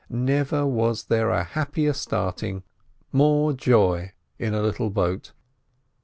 Never was there a happier starting, more joy in a little boat.